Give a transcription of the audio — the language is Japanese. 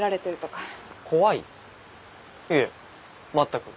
いえ全く。